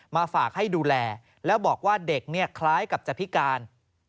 มาฝากให้ดูแลแล้วบอกว่าเด็กเนี่ยคล้ายกับจะพิการ